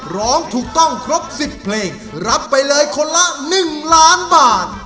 ร้องถูกต้องครบ๑๐เพลงรับไปเลยคนละ๑ล้านบาท